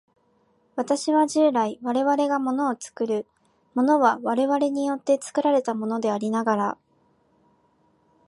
私は従来、我々が物を作る、物は我々によって作られたものでありながら、